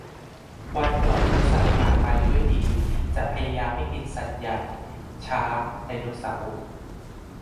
วันปลอดเนื้อสัตว์ผ่านไปด้วยดี จะพยายามไม่กินสัตว์ใหญ่ช้าง ไดโนเสาร์